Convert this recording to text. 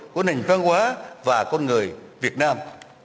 của nền văn hóa và con người việt nam